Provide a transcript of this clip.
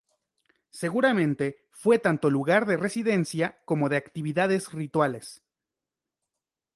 Seguramente fue tanto lugar de residencia como de actividades rituales.